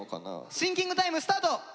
シンキングタイムスタート！